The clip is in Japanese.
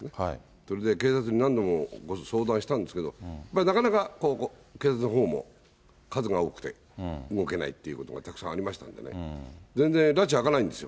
それで警察に何度も僕、相談したんですけど、なかなか警察のほうも、数が多くて動けないっていうことがたくさんありましたんでね、全然らちが明かないんですよ。